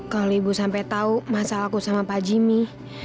kalau ibu sampai tahu masalahku sama pak jimmy